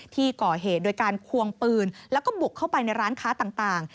ที่ก่อเหตุโดยการควงปืนแล้วก็บุกเข้าไปในร้านค้าต่าง